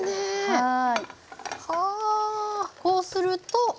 はい。